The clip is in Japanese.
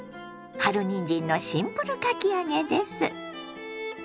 春にんじんのシンプルかき揚げです。